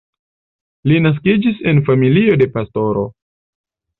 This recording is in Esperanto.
Li naskiĝis en familio de pastoro.